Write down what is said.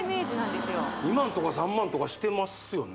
２万とか３万とかしてますよね